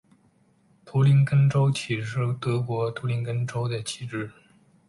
图林根州旗是德国图林根州的旗帜。